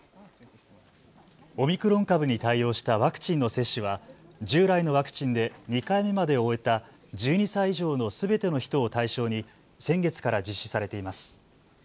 オミクロン株に対応したワクチンの接種は従来のワクチンで２回目までを終えた１２歳以上のすべての人を対象に先月から実施されています。